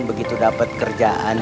begitu dapet kerjaan